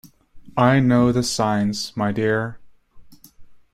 I know the signs, my dear.